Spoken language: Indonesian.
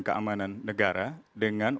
keamanan negara dengan